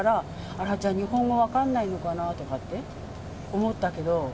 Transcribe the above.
あら、じゃあ、日本語分からないのかなとかって思ったけど。